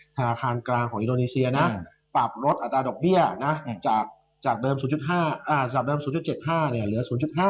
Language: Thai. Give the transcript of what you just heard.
ธนาคารกลางของอินโดนีเซียนะปรับลดอัตราดอกเบี้ยนะจากเดิม๐๕จากเดิม๐๗๕เหลือ๐๕